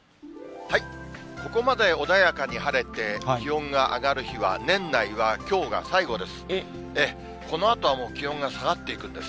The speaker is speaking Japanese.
ここまで穏やかに晴れて、気温が上がる日は、年内はきょうが最後です。